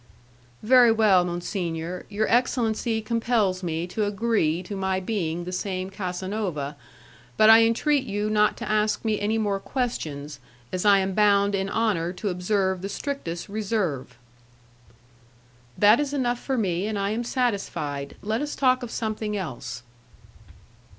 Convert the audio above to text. "Very well, monsignor; your excellency compels me to agree to my being the same Casanova, but I entreat you not to ask me any more questions as I am bound in honour to observe the strictest reserve." "That is enough for me, and I am satisfied. Let us talk of something else."